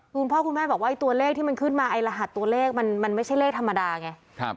คุณพ่อคุณแม่บอกว่าตัวเลขที่มันขึ้นมาไอ้รหัสตัวเลขมันไม่ใช่เลขธรรมดาไง